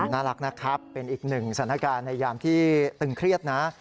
น่ารักนะครับเป็นอีกหนึ่งสถานการณ์ในยามที่ตึงเครียดนะ